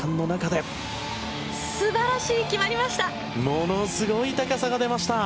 ものすごい高さが出ました。